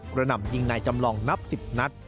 หนำยิงนายจำลองนับ๑๐นัด